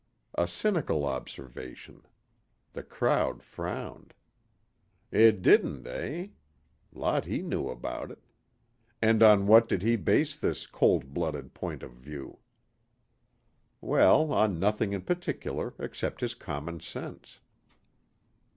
A cynical observation. The crowd frowned. It didn't, eh? Lot he knew about it. And on what did he base this cold blooded point of view? Well, on nothing in particular except his common sense.